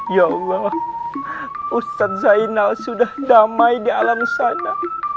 ya allah ustadz zainal sudah damai di alam sana